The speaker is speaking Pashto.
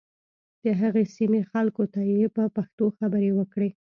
د هغې سیمې خلکو ته یې په پښتو خبرې وکړې.